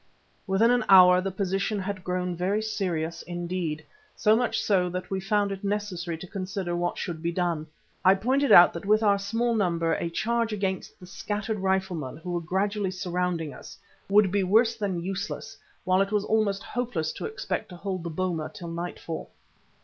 Within an hour the position had grown very serious indeed, so much so that we found it necessary to consider what should be done. I pointed out that with our small number a charge against the scattered riflemen, who were gradually surrounding us, would be worse than useless, while it was almost hopeless to expect to hold the boma till nightfall.